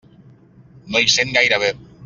No hi sent gaire bé.